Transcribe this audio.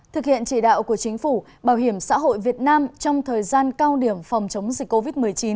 thực hiện chỉ đạo của chính phủ bảo hiểm xã hội việt nam trong thời gian cao điểm phòng chống dịch covid một mươi chín